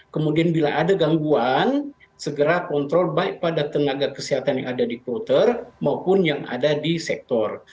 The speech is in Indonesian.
kemudian bila ada gangguan segera kontrol baik pada tenaga kesehatan yang ada di kloter maupun yang ada di sektor